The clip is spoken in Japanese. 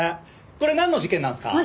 これなんの事件なんですか？